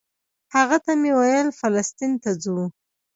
هغه ته مې ویل فلسطین ته ځو.